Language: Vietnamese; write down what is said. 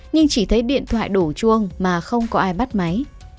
nhưng chỉ thấy điện thoại đổ chuông mà không có ai bắt máy